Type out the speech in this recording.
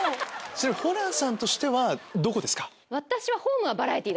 ホランさんとしてはどこですか？